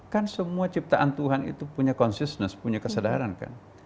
kan semua ciptaan tuhan itu punya consistance punya kesadaran kan